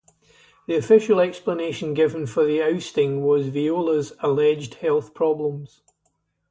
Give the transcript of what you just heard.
The official explanation given for the ousting was Viola's alleged health problems.